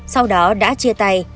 sau đó đã chia tay